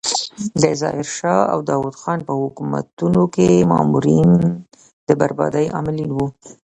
د ظاهر شاه او داود خان په حکومتونو کې مامورین د بربادۍ عاملین وو.